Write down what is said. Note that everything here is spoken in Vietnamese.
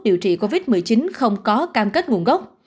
điều trị covid một mươi chín không có cam kết nguồn gốc